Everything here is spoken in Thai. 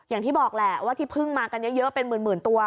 อย่างที่บอกแหละว่าที่พึ่งมากันเยอะเป็นหมื่นตัว